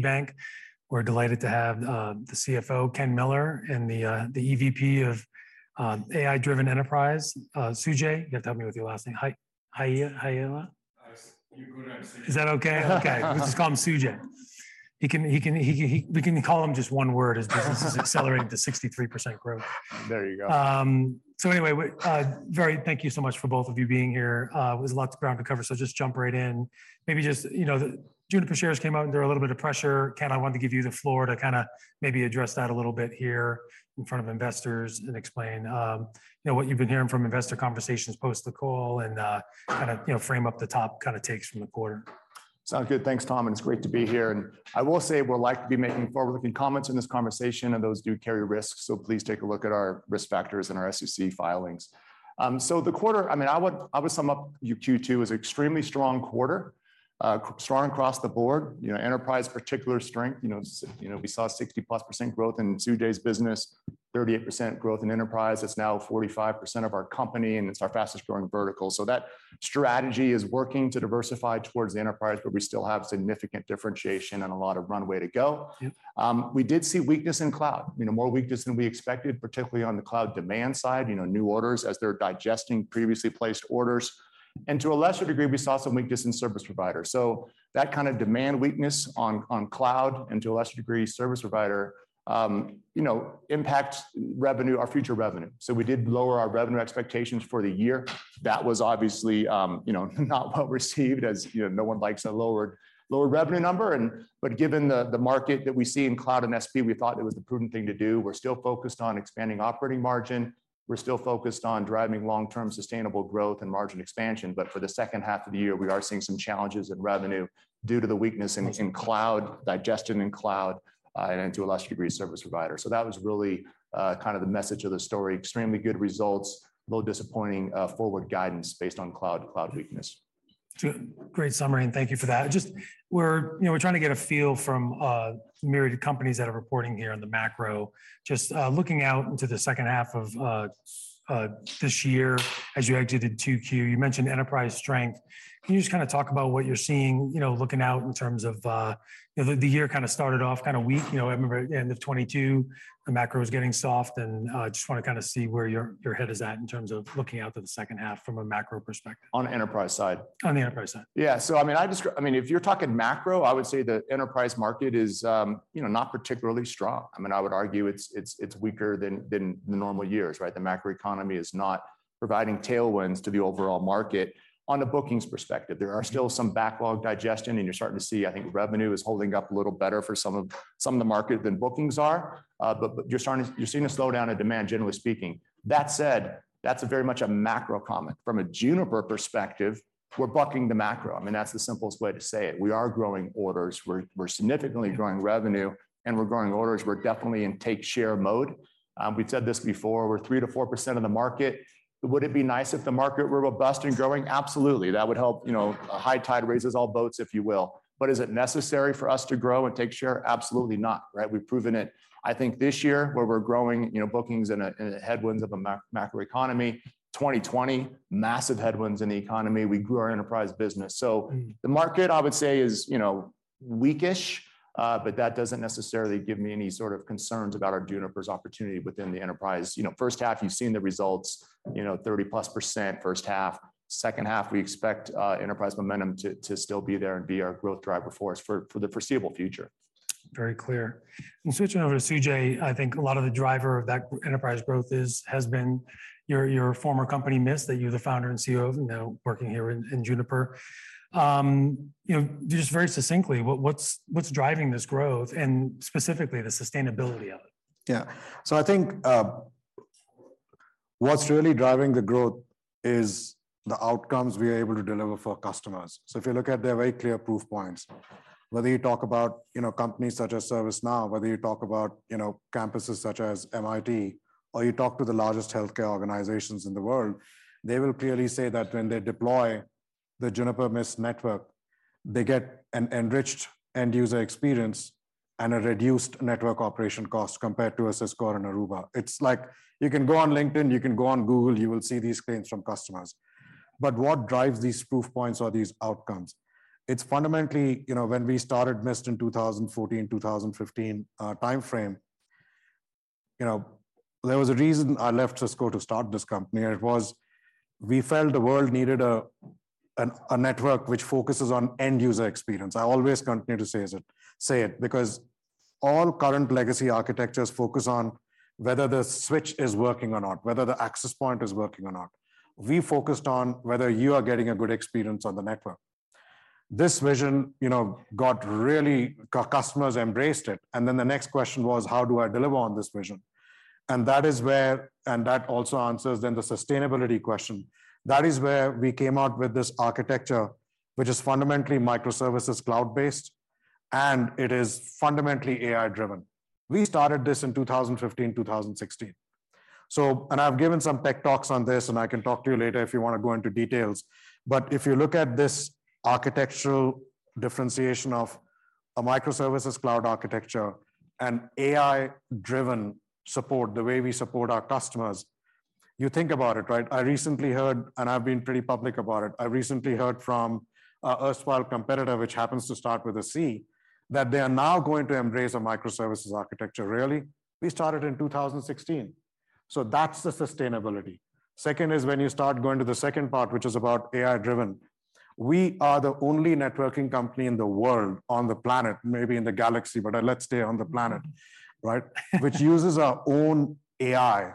Bank. We're delighted to have the CFO, Ken Miller, and the EVP of AI-Driven Enterprise, Sujai. You have to help me with your last name. Hajela? You're good at it. Is that okay? Okay. Let's just call him Sujai. He can, he can, we can call him just one word as business is accelerating to 63% growth. There you go. Anyway, we, very thank you so much for both of you being here. There's a lot of ground to cover, so just jump right in. Maybe just, you know, Juniper shares came out, and they're a little bit of pressure. Ken, I wanted to give you the floor to kinda maybe address that a little bit here in front of investors and explain, you know, what you've been hearing from investor conversations post the call and, kind of, you know, frame up the top kinda takes from the quarter. Sounds good. Thanks, Tom, it's great to be here. I will say we're likely to be making forward-looking comments in this conversation, and those do carry risks, so please take a look at our risk factors and our SEC filings. The quarter, I mean, I would, I would sum up Q2 as extremely strong quarter. Strong across the board. You know, enterprise, particular strength, you know, we saw 60%+ growth in Sujai's business, 38% growth in enterprise. It's now 45% of our company, and it's our fastest-growing vertical. That strategy is working to diversify towards the enterprise, but we still have significant differentiation and a lot of runway to go. Yep. We did see weakness in cloud, you know, more weakness than we expected, particularly on the cloud demand side, you know, new orders as they're digesting previously placed orders. To a lesser degree, we saw some weakness in service providers. That kind of demand weakness on, on cloud and, to a lesser degree, service provider, you know, impacts revenue, our future revenue. We did lower our revenue expectations for the year. That was obviously, you know, not well received, as, you know, no one likes a lowered, lower revenue number. Given the, the market that we see in cloud and SP, we thought it was the prudent thing to do. We're still focused on expanding operating margin. We're still focused on driving long-term sustainable growth and margin expansion. For the second half of the year, we are seeing some challenges in revenue due to the weakness in. Got you.... in cloud, digestion in cloud, and to a lesser degree, service provider. That was really, kind of the message of the story. Extremely good results, a little disappointing, forward guidance based on cloud, cloud weakness. Great summary, and thank you for that. Just we're, you know, we're trying to get a feel from myriad companies that are reporting here on the macro. Just, looking out into the second half of this year, as you exited 2Q, you mentioned enterprise strength. Can you just kinda talk about what you're seeing, you know, looking out in terms of, you know, the year kind of started off kinda weak, you know, I remember end of 2022, the macro was getting soft, and just wanna kinda see where your, your head is at in terms of looking out to the second half from a macro perspective? On enterprise side? On the enterprise side. I mean, if you're talking macro, I would say the enterprise market is, you know, not particularly strong. I mean, I would argue it's, it's, it's weaker than, than the normal years, right? The macroeconomy is not providing tailwinds to the overall market. On the bookings perspective, there are still some backlog digestion, and you're starting to see, I think revenue is holding up a little better for some of, some of the market than bookings are. But you're starting to see a slowdown in demand, generally speaking. That said, that's a very much a macro comment. From a Juniper perspective, we're bucking the macro. I mean, that's the simplest way to say it. We are growing orders. We're, we're significantly growing revenue, and we're growing orders. We're definitely in take-share mode. We've said this before, we're 3%-4% of the market. Would it be nice if the market were robust and growing? Absolutely. That would help, you know, a high tide raises all boats, if you will. Is it necessary for us to grow and take share? Absolutely not, right? We've proven it. I think this year, where we're growing, you know, bookings and headwinds of a macroeconomy, 2020, massive headwinds in the economy, we grew our enterprise business. Mm... the market, I would say, is, you know, weak-ish, but that doesn't necessarily give me any sort of concerns about our Juniper's opportunity within the enterprise. You know, first half, you've seen the results, you know, 30%+ first half. Second half, we expect, enterprise momentum to, to still be there and be our growth driver for us for, for the foreseeable future. Very clear. Switching over to Sujai, I think a lot of the driver of that enterprise growth is, has been your, your former company, Mist, that you're the founder and CEO of, now working here in, in Juniper. you know, just very succinctly, what, what's, what's driving this growth and specifically the sustainability of it? Yeah. I think what's really driving the growth is the outcomes we are able to deliver for customers. If you look at their very clear proof points, whether you talk about, you know, companies such as ServiceNow, whether you talk about, you know, campuses such as MIT, or you talk to the largest healthcare organizations in the world, they will clearly say that when they deploy the Juniper Mist network, they get an enriched end-user experience and a reduced network operation cost compared to a Cisco and Aruba. It's like you can go on LinkedIn, you can go on Google, you will see these screens from customers. What drives these proof points or these outcomes? It's fundamentally, you know, when we started Mist in 2014, 2015, timeframe, you know, there was a reason I left Cisco to start this company. It was, we felt the world needed a, an, a network which focuses on end-user experience. I always continue to say say it, because all current legacy architectures focus on whether the switch is working or not, whether the access point is working or not. We focused on whether you are getting a good experience on the network. This vision, you know, got really. Customers embraced it, and then the next question was, how do I deliver on this vision? That is where, and that also answers then the sustainability question. That is where we came out with this architecture, which is fundamentally microservices, cloud-based, and it is fundamentally AI-driven. We started this in 2015, 2016. I've given some TED Talks on this, and I can talk to you later if you wanna go into details. If you look at this architectural differentiation of a microservices cloud architecture and AI-driven support, the way we support our customers. You think about it, right? I recently heard, and I've been pretty public about it, I recently heard from a erstwhile competitor, which happens to start with a C, that they are now going to embrace a microservices architecture. Really? We started in 2016. That's the sustainability. Second is when you start going to the second part, which is about AI-driven. We are the only networking company in the world, on the planet, maybe in the galaxy, let's stay on the planet, right? Which uses our own AI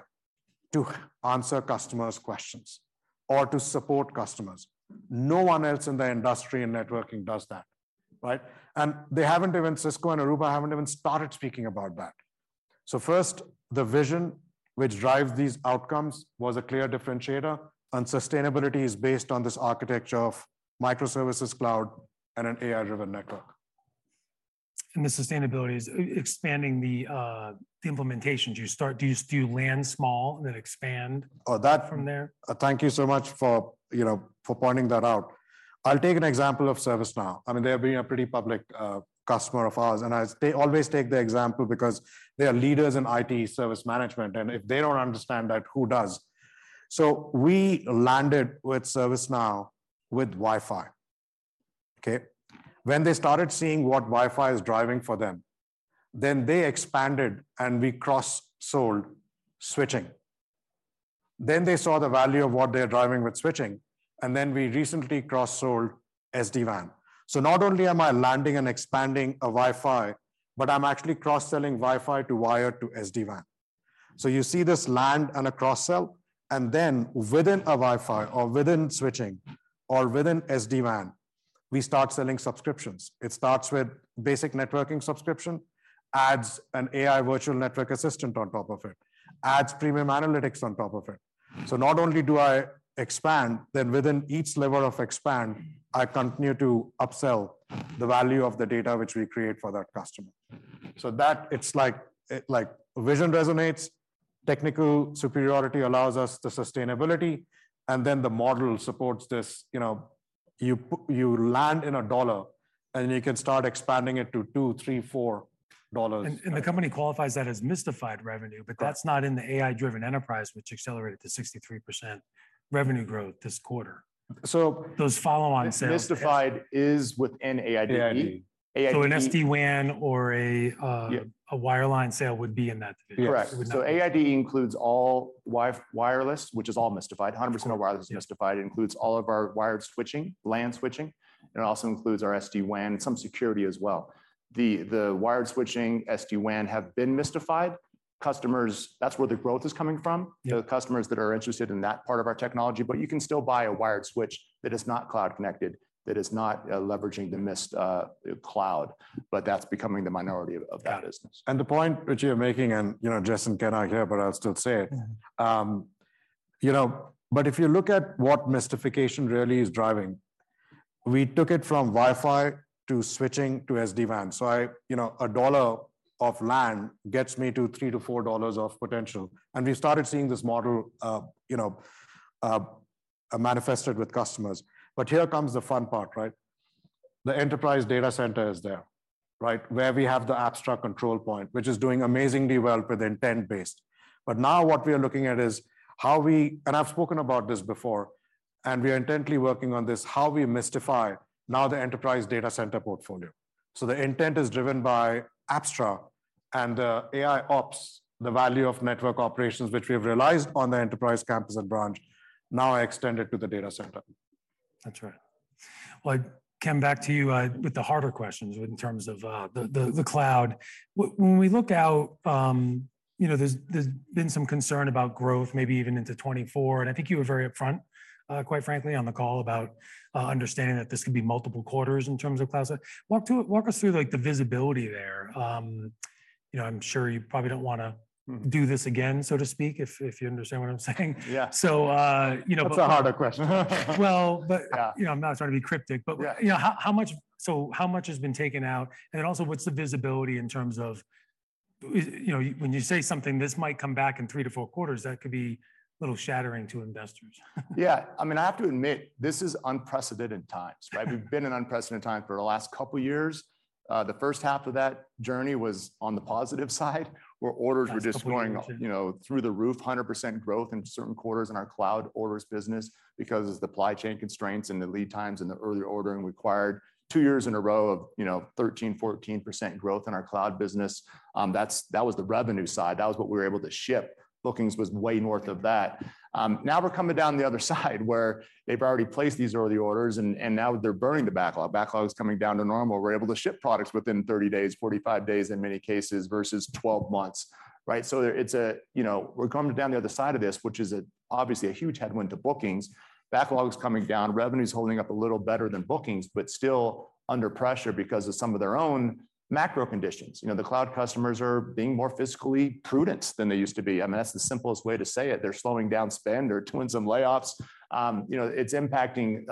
to answer customers' questions or to support customers. No one else in the industry and networking does that, right? Cisco and Aruba haven't even started speaking about that. First, the vision which drives these outcomes was a clear differentiator, and sustainability is based on this architecture of microservices cloud and an AI-driven network. The sustainability is expanding the implementation. Do you land small and then expand? Oh, that- From there? Thank you so much for, you know, for pointing that out. I'll take an example of ServiceNow. I mean, they have been a pretty public customer of ours, they always take the example because they are leaders in IT service management, and if they don't understand that, who does? We landed with ServiceNow with Wi-Fi, okay? When they started seeing what Wi-Fi is driving for them, then they expanded, and we cross-sold switching. They saw the value of what they're driving with switching, and then we recently cross-sold SD-WAN. Not only am I landing and expanding a Wi-Fi, but I'm actually cross-selling Wi-Fi to wire to SD-WAN. You see this land and a cross-sell, and then within a Wi-Fi, or within switching, or within SD-WAN, we start selling subscriptions. It starts with basic networking subscription, adds an AI Virtual Network Assistant on top of it, adds Premium Analytics on top of it. Not only do I expand, then within each level of expand, I continue to upsell the value of the data which we create for that customer. That, it's like, vision resonates, technical superiority allows us the sustainability, and then the model supports this, you know, you land in $1, and you can start expanding it to $2, $3, $4. The company qualifies that as Mistified revenue. Yeah. That's not in the AI-Driven Enterprise, which accelerated to 63% revenue growth this quarter. So- Those follow-on sales. Mistified is within AIDE. AIDE. an SD-WAN or a... Yeah... a wireline sale would be in that case? Correct. In that case. AIDE includes all wireless, which is all Mistified. 100% of wireless is Mistified. It includes all of our wired switching, LAN switching, and it also includes our SD-WAN, some security as well. The wired switching, SD-WAN, have been Mistified. Customers, that's where the growth is coming from. Yeah The customers that are interested in that part of our technology, but you can still buy a wired switch that is not cloud connected, that is not, leveraging the Mist cloud, but that's becoming the minority of, of that business. Yeah. The point which you're making, and, you know, Justin cannot hear, but I'll still say it. Mm. You know, if you look at what Mistification really is driving, we took it from Wi-Fi to switching to SD-WAN. I, you know, $1 of LAN gets me to $3-$4 of potential, and we started seeing this model, you know, manifested with customers. Here comes the fun part, right? The enterprise data center is there, right? Where we have the Apstra control point, which is doing amazingly well with intent-based. Now what we are looking at is how we... I've spoken about this before, and we are intently working on this, how we Mistify now the enterprise data center portfolio. The intent is driven by Apstra and AIOps, the value of network operations, which we have realized on the enterprise campus and branch, now extended to the data center. That's right. Well, Ken, back to you, with the harder questions in terms of the, the, the cloud. When we look out, you know, there's, there's been some concern about growth, maybe even into 2024, and I think you were very upfront, quite frankly, on the call about understanding that this could be multiple quarters in terms of cloud. Walk through, walk us through, like, the visibility there. You know, I'm sure you probably don't wanna- Mm... do this again, so to speak, if you understand what I'm saying. Yeah. you know. That's a harder question. Well. Yeah... you know, I'm not trying to be cryptic, but- Yeah... you know, how, how much, so how much has been taken out? Then also, what's the visibility in terms of, you know, when you say something, this might come back in three to four quarters, that could be a little shattering to investors. Yeah. I mean, I have to admit, this is unprecedented times, right? Mm. We've been in unprecedented times for the last couple years. The first half of that journey was on the positive side, where orders were just going- That's couple. You know, through the roof, 100% growth in certain quarters in our cloud orders business, because of the supply chain constraints and the lead times and the early ordering required. 2 years in a row of, you know, 13%-14% growth in our cloud business. That's, that was the revenue side. That was what we were able to ship. Bookings was way north of that. Now we're coming down the other side, where they've already placed these early orders, and now they're burning the backlog. Backlog is coming down to normal. We're able to ship products within 30 days, 45 days in many cases, versus 12 months, right? It's a, you know, we're coming down the other side of this, which is a, obviously a huge headwind to bookings. Backlog's coming down. Revenue's holding up a little better than bookings, but still under pressure because of some of their own macro conditions. You know, the cloud customers are being more fiscally prudent than they used to be. I mean, that's the simplest way to say it. They're slowing down spend. They're doing some layoffs. You know, it's impacting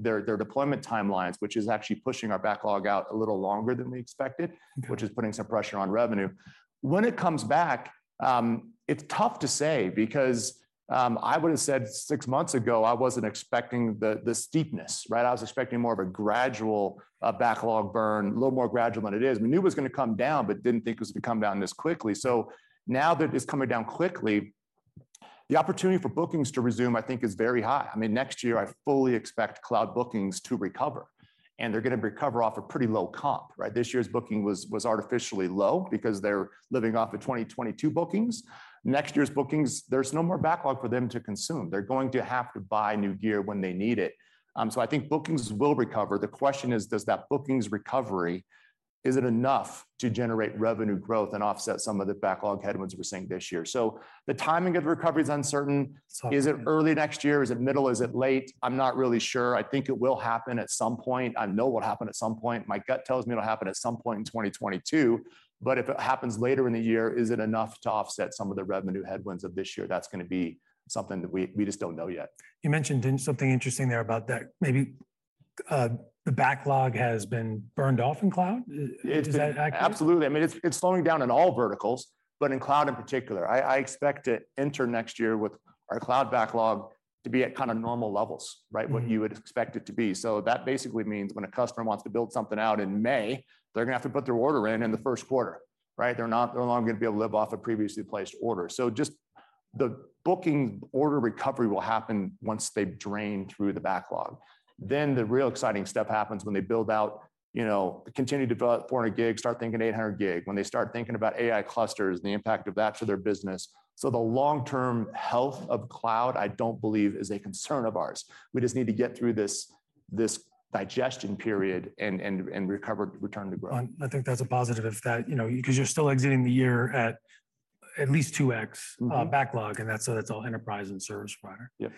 their, their deployment timelines, which is actually pushing our backlog out a little longer than we expected. Okay... which is putting some pressure on revenue. When it comes back, it's tough to say because I would've said six months ago, I wasn't expecting the, the steepness, right? I was expecting more of a gradual backlog burn, a little more gradual than it is. We knew it was gonna come down but didn't think it was gonna come down this quickly. Now that it's coming down quickly. The opportunity for bookings to resume, I think, is very high. I mean, next year, I fully expect cloud bookings to recover, and they're going to recover off a pretty low comp, right? This year's booking was, was artificially low because they're living off of 2022 bookings. Next year's bookings, there's no more backlog for them to consume. They're going to have to buy new gear when they need it. I think bookings will recover. The question is, does that bookings recovery, is it enough to generate revenue growth and offset some of the backlog headwinds we're seeing this year? The timing of recovery is uncertain. So- Is it early next year? Is it middle? Is it late? I'm not really sure. I think it will happen at some point. I know it will happen at some point. My gut tells me it'll happen at some point in 2022. If it happens later in the year, is it enough to offset some of the revenue headwinds of this year? That's going to be something that we, we just don't know yet. You mentioned in something interesting there about that maybe, the backlog has been burned off in cloud. Is that accurate? Absolutely. I mean, it's slowing down in all verticals, but in cloud in particular. I expect to enter next year with our cloud backlog to be at kind of normal levels, right? Mm-hmm. What you would expect it to be. That basically means when a customer wants to build something out in May, they're going to have to put their order in in the 1st quarter, right? They're no longer going to be able to live off a previously placed order. Just the booking order recovery will happen once they've drained through the backlog. The real exciting stuff happens when they build out, you know, continue to develop 400G, start thinking 800G, when they start thinking about AI clusters and the impact of that to their business. The long-term health of cloud, I don't believe is a concern of ours. We just need to get through this, this digestion period and recover, return to growth. I think that's a positive if that, you know, because you're still exiting the year at at least 2x... Mm-hmm... backlog, and that's, so that's all enterprise and service provider. Yep.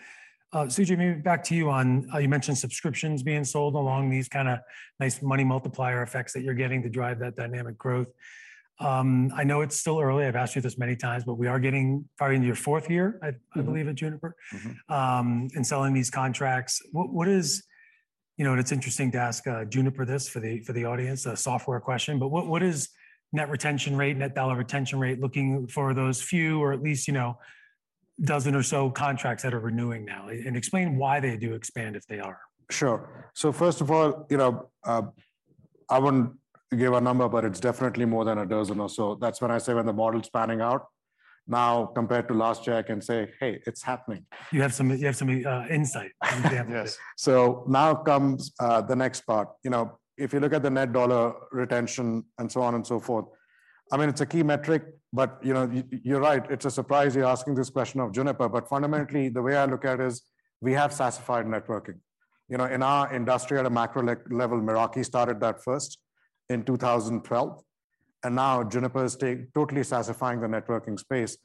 Sujai, maybe back to you on, you mentioned subscriptions being sold along these kind of nice money multiplier effects that you're getting to drive that dynamic growth. I know it's still early. I've asked you this many times, but we are getting probably into your fourth year, I, I believe. Mm-hmm... at Juniper. Mm-hmm. Selling these contracts. What is, you know, and it's interesting to ask Juniper this for the, for the audience, a software question, but what is net retention rate, Net dollar retention rate, looking for those few or at least, you know, dozen or so contracts that are renewing now? Explain why they do expand if they are. Sure. First of all, you know, I wouldn't give a number, but it's definitely more than 12 or so. That's when I say when the model's panning out. Now, compared to last year, I can say, "Hey, it's happening. You have some, you have some, insight. Yes. Now comes the next part. You know, if you look at the net dollar retention and so on and so forth, I mean, it's a key metric, but, you know, you, you're right. It's a surprise you're asking this question of Juniper. Fundamentally, the way I look at it is we have SaaSified networking. You know, in our industry, at a macro level, Meraki started that first in 2012, now Juniper is totally SaaSifying the networking space.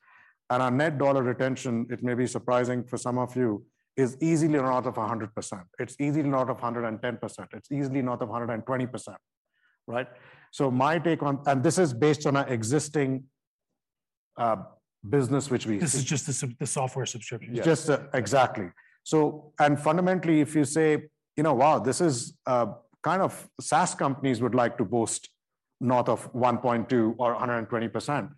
Our net dollar retention, it may be surprising for some of you, is easily north of 100%. It's easily north of 110%. It's easily north of 120%, right? My take on... This is based on our existing business, which we- This is just the software subscription. Just... Exactly. Fundamentally, if you say, "You know what? This is, kind of SaaS companies would like to boast north of 1.2 or 120%."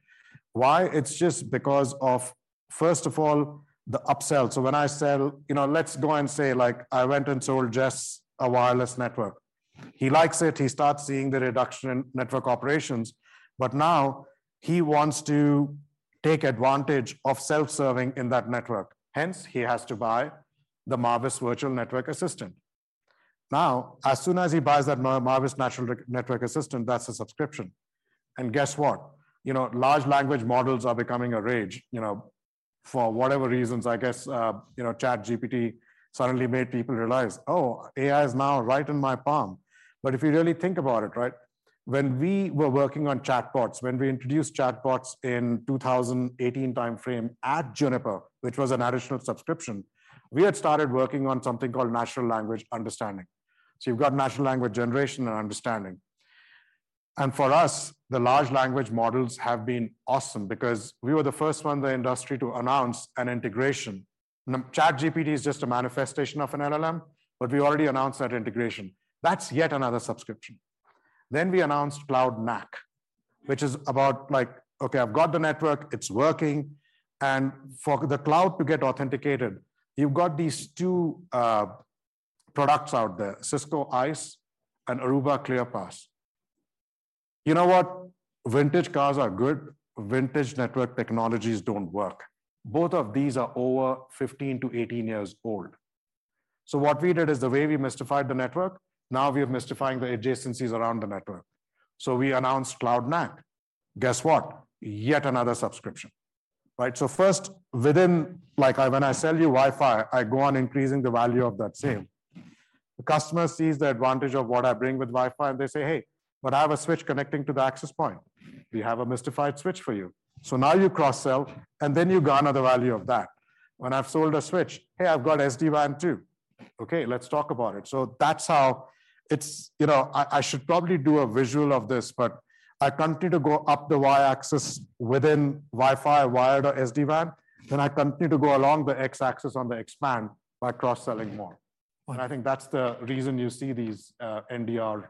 Why? It's just because of, first of all, the upsell. When I sell, you know, let's go and say, like, I went and sold Jess a wireless network. He likes it. He starts seeing the reduction in network operations, but now he wants to take advantage of self-serving in that network. Hence, he has to buy the Marvis Virtual Network Assistant. Now, as soon as he buys that Marvis Virtual Network Assistant, that's a subscription. Guess what? You know, large language models are becoming a rage, you know, for whatever reasons. I guess, you know, ChatGPT suddenly made people realize, "Oh, AI is now right in my palm." If you really think about it, right, when we were working on chatbots, when we introduced chatbots in 2018 timeframe at Juniper, which was an additional subscription, we had started working on something called natural language understanding. You've got natural language generation and understanding. For us, the large language models have been awesome because we were the first one in the industry to announce an integration. ChatGPT is just a manifestation of an LLM, but we already announced that integration. That's yet another subscription. We announced Cloud NAC, which is about, like, okay, I've got the network, it's working, and for the cloud to get authenticated, you've got these two products out there, Cisco ISE and Aruba ClearPass. You know what? Vintage cars are good. Vintage network technologies don't work. Both of these are over 15-18 years old. What we did is the way we Mistified the network, now we are Mistifying the adjacencies around the network. We announced Cloud NAC. Guess what? Yet another subscription, right? First, within, like, when I sell you Wi-Fi, I go on increasing the value of that sale. The customer sees the advantage of what I bring with Wi-Fi, and they say, "Hey, but I have a switch connecting to the access point." We have a Mistified switch for you. Now you cross-sell, and then you garner the value of that. When I've sold a switch, "Hey, I've got SD-WAN, too." "Okay, let's talk about it." That's how it's... You know, I, I should probably do a visual of this, but I continue to go up the Y-axis within Wi-Fi, wired, or SD-WAN. I continue to go along the X-axis on the expand by cross-selling more. Right. I think that's the reason you see these NDR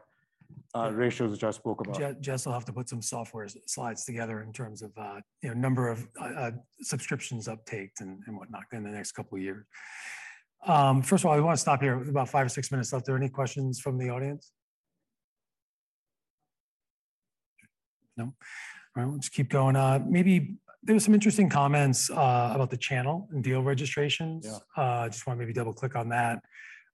ratios, which I spoke about. Jess, Jess will have to put some software slides together in terms of, you know, number of subscriptions uptaked and, and whatnot in the next couple of years. First of all, we want to stop here with about five or six minutes left. Are there any questions from the audience? No. All right, let's keep going on. Maybe there were some interesting comments about the channel and deal registrations. Yeah. Just wanna maybe double-click on that.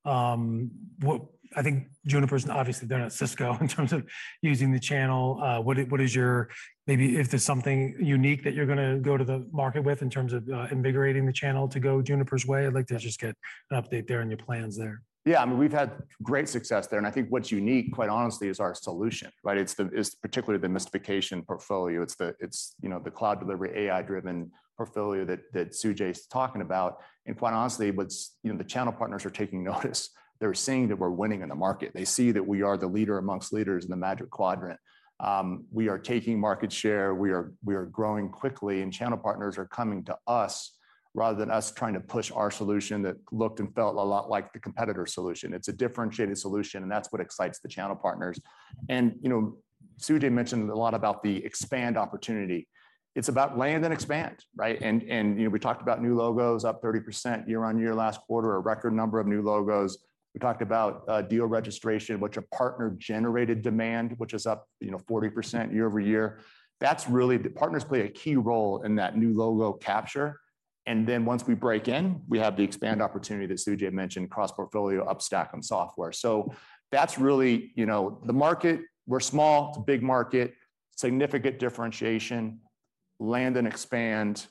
What-- I think Juniper's obviously there at Cisco in terms of using the channel. What is, what is your maybe if there's something unique that you're gonna go to the market with in terms of, invigorating the channel to go Juniper's way? I'd like to just get an update there and your plans there. Yeah, I mean, we've had great success there, and I think what's unique, quite honestly, is our solution, right? It's the, it's particularly the Mistification portfolio. It's the, it's, you know, the cloud delivery, AI-driven portfolio that, that Sujai is talking about. Quite honestly, what's, you know, the channel partners are taking notice. They're seeing that we're winning in the market. They see that we are the leader amongst leaders in the Magic Quadrant. We are taking market share, we are, we are growing quickly, and channel partners are coming to us, rather than us trying to push our solution that looked and felt a lot like the competitor solution. It's a differentiated solution, and that's what excites the channel partners. You know, Sujai mentioned a lot about the expand opportunity. It's about land and expand, right? We talked about new logos, up 30% year-over-year, last quarter, a record number of new logos. We talked about deal registration, which a partner generated demand, which is up 40% year-over-year. That's really the partners play a key role in that new logo capture, and then once we break in, we have the expand opportunity that Sujai mentioned, cross-portfolio, upstack, and software. That's really, the market, we're small, it's a big market, significant differentiation, land and expand,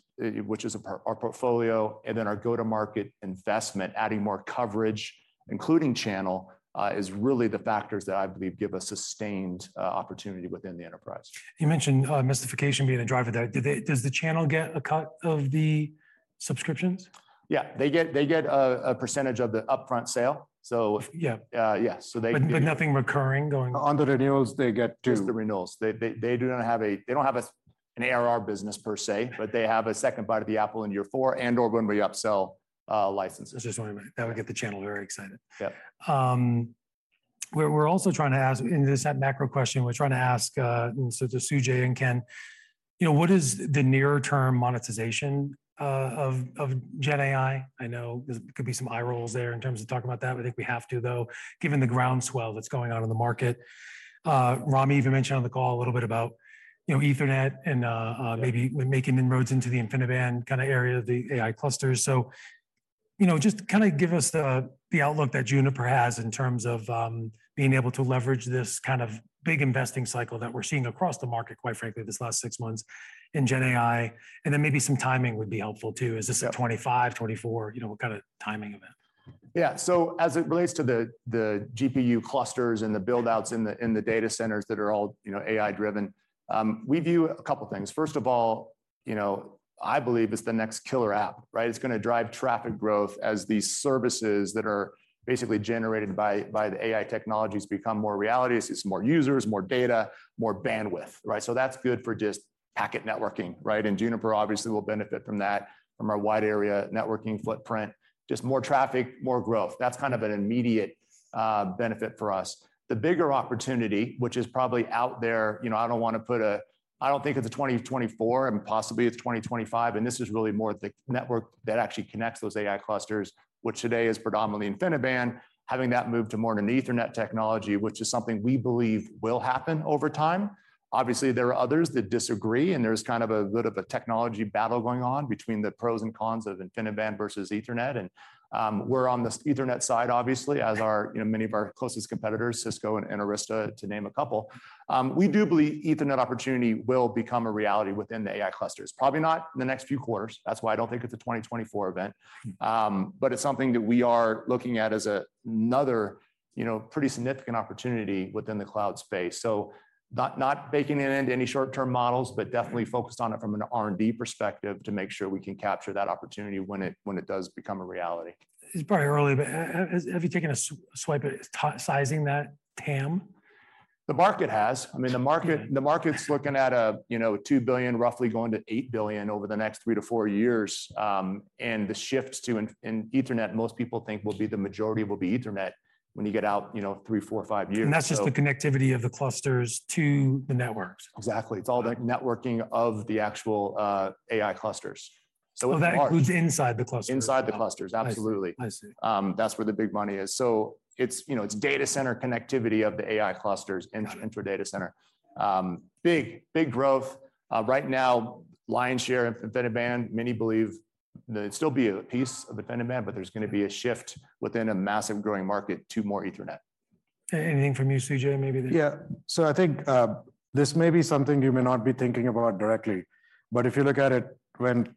which is a par-- our portfolio, and then our go-to-market investment, adding more coverage, including channel, is really the factors that I believe give a sustained opportunity within the enterprise. You mentioned Mistification being a driver there. Does the channel get a cut of the subscriptions? Yeah, they get a percentage of the upfront sale. Yeah. Yeah. but nothing recurring. On the renewals, they get too. Just the renewals. They, they, they do not have they don't have a, an ARR business per se, but they have a second bite of the apple in year four and/or when we upsell licenses. That would get the channel very excited. Yeah. We're, we're also trying to ask, and this is that macro question, we're trying to ask, so to Sujai and Ken, you know, what is the nearer term monetization of, of GenAI? I know there could be some eye rolls there in terms of talking about that. I think we have to, though, given the groundswell that's going on in the market. Rami, you mentioned on the call a little bit about, you know, Ethernet and maybe making inroads into the InfiniBand kind of area of the AI clusters. You know, just kind of give us the, the outlook that Juniper has in terms of being able to leverage this kind of big investing cycle that we're seeing across the market, quite frankly, this last 6 months in GenAI, and then maybe some timing would be helpful, too. Yeah. Is this a 2025, 2024? You know, what kind of timing event? Yeah. So as it relates to the GPU clusters and the build-outs in the data centers that are all, you know, AI-driven, we view a couple things. First of all, you know, I believe it's the next killer app, right? It's gonna drive traffic growth as these services that are basically generated by, by the AI technologies become more reality. It's more users, more data, more bandwidth, right? That's good for just packet networking, right? Juniper obviously will benefit from that, from our wide area networking footprint, just more traffic, more growth. That's kind of an immediate benefit for us. The bigger opportunity, which is probably out there, you know, I don't wanna put. I don't think it's a 2024, possibly it's 2025. This is really more the network that actually connects those AI clusters, which today is predominantly InfiniBand, having that move to more an Ethernet technology, which is something we believe will happen over time. Obviously, there are others that disagree. There's kind of a bit of a technology battle going on between the pros and cons of InfiniBand versus Ethernet. We're on the Ethernet side, obviously, as are, you know, many of our closest competitors, Cisco and Arista, to name a couple. We do believe Ethernet opportunity will become a reality within the AI clusters. Probably not in the next few quarters. That's why I don't think it's a 2024 event. It's something that we are looking at as another, you know, pretty significant opportunity within the cloud space. Not, not baking it into any short-term models, but definitely focused on it from an R&D perspective to make sure we can capture that opportunity when it, when it does become a reality. It's probably early, have you taken a swipe at sizing that TAM? The market has. I mean, the market, the market's looking at a, you know, $2 billion, roughly going to $8 billion over the next three-four years. The shift to in, in Ethernet, most people think will be the majority will be Ethernet when you get out, you know, 3, 4, or 5 years. That's just the connectivity of the clusters to the networks? Exactly. It's all the networking of the actual AI clusters. That includes inside the clusters? Inside the clusters, absolutely. I see. That's where the big money is. It's, you know, it's data center connectivity of the AI clusters... Got it.... intra data center. big, big growth. right now, lion's share InfiniBand, many believe that it'll still be a piece of InfiniBand, but there's gonna be a shift within a massive growing market to more Ethernet. Anything from you, Sujai, maybe then? Yeah. I think this may be something you may not be thinking about directly, but if you look at it, when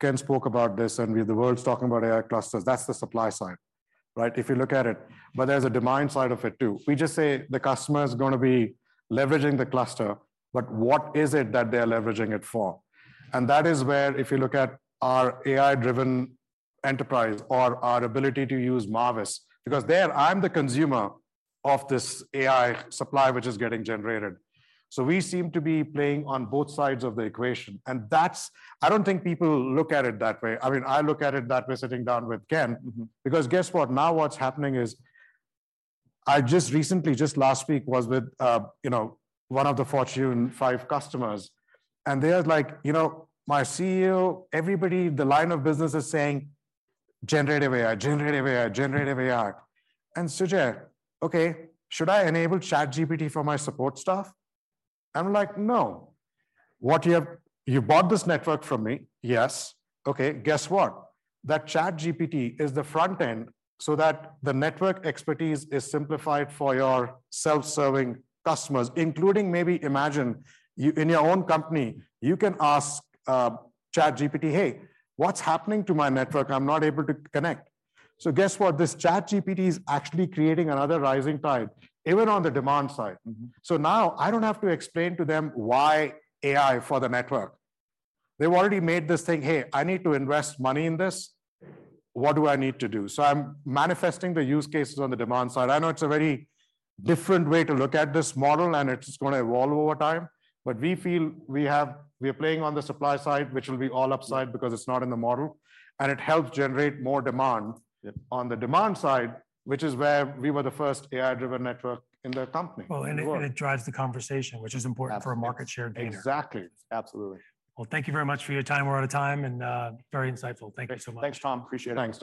Ken spoke about this, the world's talking about AI clusters, that's the supply side, right? If you look at it, there's a demand side of it, too. We just say the customer is gonna be leveraging the cluster, but what is it that they're leveraging it for? That is where if you look at our AI-Driven Enterprise or our ability to use Marvis, because there I'm the consumer of this AI supply, which is getting generated. We seem to be playing on both sides of the equation, and that's, I don't think people look at it that way. I mean, I look at it that way, sitting down with Ken. Mm-hmm. Guess what? Now what's happening is I just recently, just last week, was with, you know, one of the Fortune 5 customers, and they are like, "You know, my CEO, everybody, the line of business is saying, 'Generative AI, Generative AI, Generative AI.' Sujai, okay, should I enable ChatGPT for my support staff?" I'm like: "No. What you have? You bought this network from me?" "Yes." "Okay, guess what? That ChatGPT is the front end so that the network expertise is simplified for your self-serving customers, including maybe imagine, you in your own company, you can ask, ChatGPT, 'Hey, what's happening to my network? I'm not able to connect.'" Guess what? This ChatGPT is actually creating another rising tide, even on the demand side. Mm-hmm. Now I don't have to explain to them why AI for the network. They've already made this thing: "Hey, I need to invest money in this. What do I need to do?" I'm manifesting the use cases on the demand side. I know it's a very different way to look at this model, and it's gonna evolve over time, but we feel we are playing on the supply side, which will be all upside because it's not in the model, and it helps generate more demand. Yeah... on the demand side, which is where we were the first AI-driven network in the company. Well, and it drives the conversation, which is important... Absolutely... for a market share gainer. Exactly. Absolutely. Well, thank you very much for your time. We're out of time and very insightful. Thank you so much. Thanks, Tom. Appreciate it. Thanks.